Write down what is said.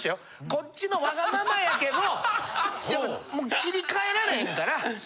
こっちのわがままやけどもう切り替えられへんから。